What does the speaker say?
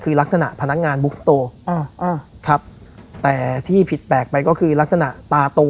คือลักษณะพนักงานบุ๊กโตอ่าอ่าครับแต่ที่ผิดแปลกไปก็คือลักษณะตาโต